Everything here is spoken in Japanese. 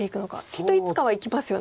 きっといつかはいきますよね。